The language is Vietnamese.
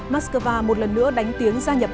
mắc cơ va một lần nữa đánh cánh